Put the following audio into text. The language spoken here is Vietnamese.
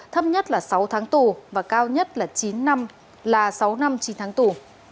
thấp nhất là sáu tháng tù và cao nhất là sáu năm chín tháng tù